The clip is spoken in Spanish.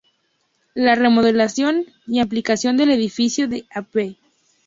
La remodelación y ampliación del edificio de Av.